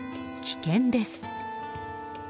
危険です。